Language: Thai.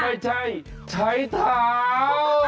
ไม่ใช่ใช้เท้า